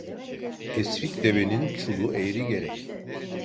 Esrik devenin çulu eğri gerek.